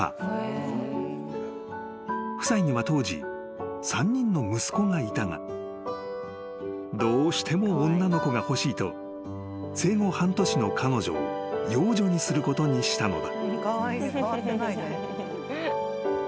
［夫妻には当時３人の息子がいたがどうしても女の子が欲しいと生後半年の彼女を養女にすることにしたのだ］